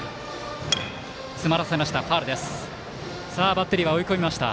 バッテリーは追い込みました。